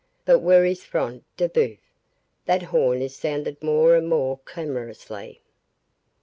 —But where is Front de Bœuf? That horn is sounded more and more clamorously."